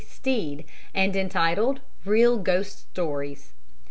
Stead, and entitled "Real Ghost Stories."